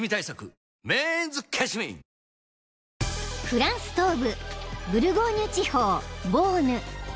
［フランス東部ブルゴーニュ地方ボーヌ］